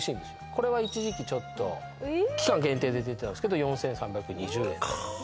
これは一時期ちょっと期間限定で出てたんですけど４３２０円。